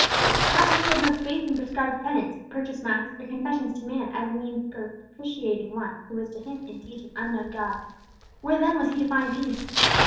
The cavalier had no faith in prescribed penance, purchased masses, or confessions to man, as means of propitiating One who was to him indeed an "unknown God"; where then was he to find peace?